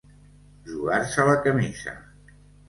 Jugar-se la camisa.